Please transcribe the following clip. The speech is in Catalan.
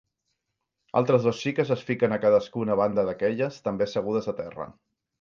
Altres dos xiques es fiquen a cadascuna banda d’aquelles, també assegudes a terra.